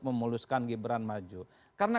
memuluskan gibran maju karena